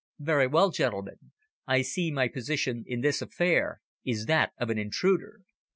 "Very well, gentlemen. I see my position in this affair is that of an intruder."